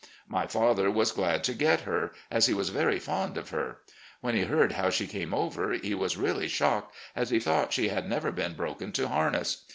My father was glad to get her, as he was very fond of her. When he heard how she came over, he was really shocked, as he thought she had never been broken to harness.